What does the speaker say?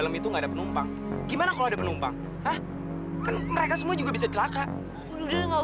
sampai jumpa di video selanjutnya